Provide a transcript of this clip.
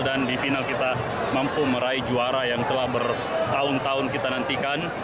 dan di final kita mampu meraih juara yang telah bertahun tahun kita nantikan